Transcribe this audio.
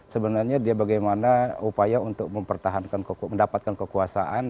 sebenarnya dia bagaimana upaya untuk mendapatkan kekuasaan